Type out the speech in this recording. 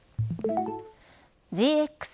ＧＸ